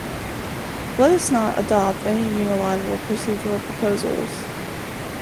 Let us not adopt any unilateral procedural proposals.